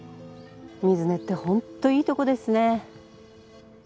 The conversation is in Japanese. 水根ってホントいいとこですね。